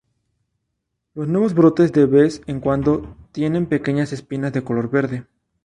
Los nuevos brotes de vez en cuando tienen pequeñas espinas de color verde.